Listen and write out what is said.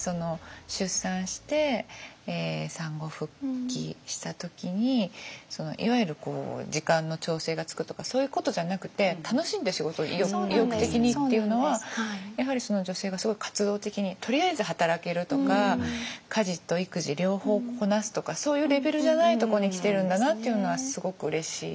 出産して産後復帰した時にいわゆる時間の調整がつくとかそういうことじゃなくて楽しんで仕事意欲的にっていうのはやはり女性がすごい活動的にとりあえず働けるとか家事と育児両方こなすとかそういうレベルじゃないとこに来てるんだなっていうのはすごくうれしい。